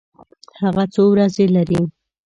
هفته څو ورځې لري؟